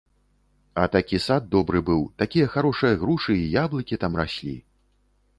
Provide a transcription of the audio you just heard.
А такі сад добры быў, такія харошыя грушы і яблыкі там раслі.